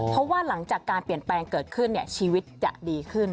เพราะว่าหลังจากการเปลี่ยนแปลงเกิดขึ้นชีวิตจะดีขึ้น